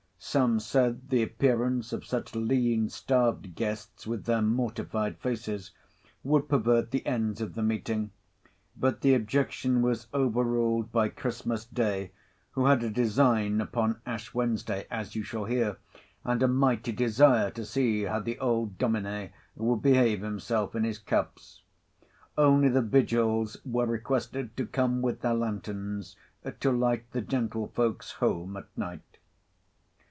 Some said, the appearance of such lean, starved guests, with their mortified faces, would pervert the ends of the meeting. But the objection was over ruled by Christmas Day, who had a design upon Ash Wednesday (as you shall hear), and a mighty desire to see how the old Domine would behave himself in his cups. Only the Vigils were requested to come with their lanterns, to light the gentlefolks home at night.